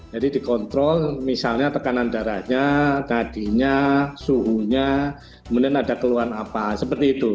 jadi dikontrol misalnya tekanan darahnya nadinya suhunya kemudian ada keluhan apa seperti itu